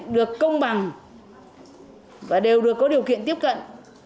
được công bằng và đều được có điều kiện tiếp cận